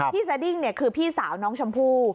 สดิ้งคือพี่สาวน้องชมพู่